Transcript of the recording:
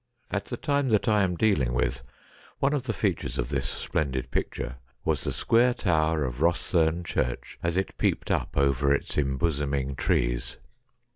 At the time that I am dealing with, one of the features of this splendid picture was the square tower of Bostherne Church, as it peeped up over its embosoming trees.